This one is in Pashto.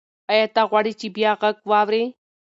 ایا ته غواړې چې بیا غږ واورې؟